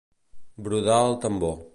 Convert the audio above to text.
Brodar al tambor.